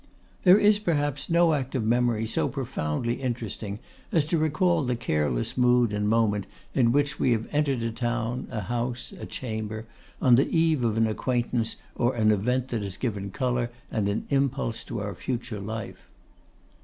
There is, perhaps, no act of memory so profoundly interesting as to recall the careless mood and moment in which we have entered a town, a house, a chamber, on the eve of an acquaintance or an event that has given colour and an impulse to our future life.